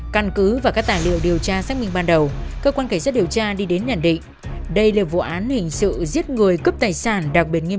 cảm ơn các bạn đã theo dõi và hẹn gặp lại